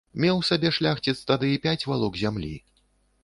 Меў сабе шляхціц тады пяць валок зямлі.